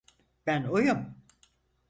Ben oyum.